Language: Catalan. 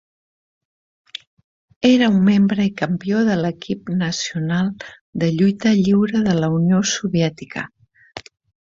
Era un membre i campió de l'equip nacional de lluita lliure de la Unió Soviètica.